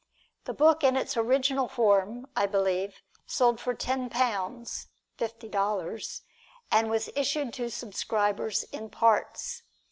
The book in its original form, I believe, sold for ten pounds (fifty dollars), and was issued to subscribers in parts.